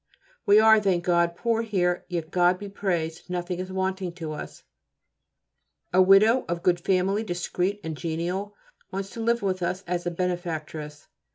We are, thank God, poor here, yet, God be praised, nothing is wanting to us. A widow of good family, discreet and genial, wants to live with us as a benefactress.